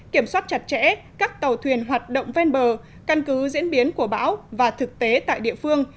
kiểm soát chặt chẽ các tàu thuyền hoạt động ven bờ căn cứ diễn biến của bão và thực tế tại địa phương